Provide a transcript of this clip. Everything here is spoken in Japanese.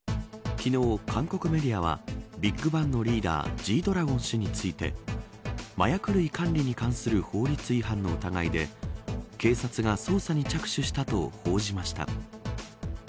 昨日、韓国メディアはＢＩＧＢＡＮＧのリーダーＧ‐ＤＲＡＧＯＮ氏について麻薬類管理に関する法律違反の疑いで警察が捜査に着手したと報じました。